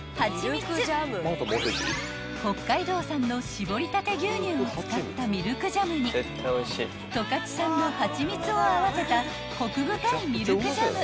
［北海道産の搾りたて牛乳を使ったミルクジャムに十勝産の蜂蜜を合わせたコク深いミルクジャム］